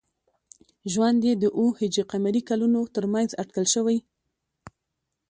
ژوند یې د او ه ق کلونو تر منځ اټکل شوی.